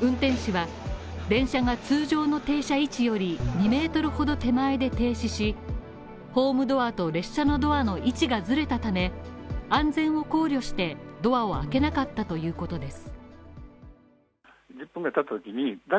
運転手は電車が通常の停車位置より２ｍほど手前で停止し、ホームドアと列車のドアの位置がずれたため、安全を考慮してドアを開けなかったということです。